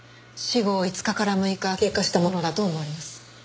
死後５日から６日経過したものだと思われます。